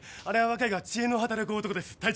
あれは若いが知恵の働く男です。